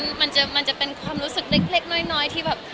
มันจะเป็นความรู้สึกเล็กน้อยที่แบบ